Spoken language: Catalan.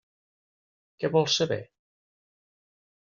Què vols saber?